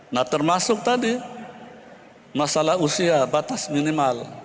nah termasuk tadi masalah usia batas minimal